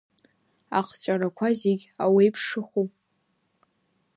Ахҵәарақәа зегь ауеиԥшыху.